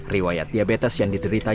riwayat diabetes yang diderita